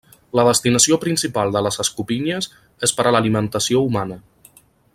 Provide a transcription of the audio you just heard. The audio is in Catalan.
La destinació principal de les escopinyes és per a l'alimentació humana.